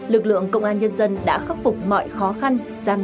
lực lượng công an nhân dân đã khắc phục mọi khó khăn